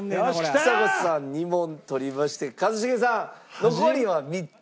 ちさ子さん２問取りまして一茂さん残りは３つ。